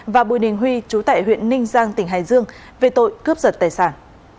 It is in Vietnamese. và bùi đình huy chú tại huyện ninh giang tỉnh hải dương về tội cướp giật tài sản